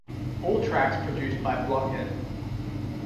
All tracks produced by Blockhead.